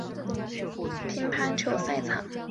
斐济首次亮相奥运乒乓球赛场。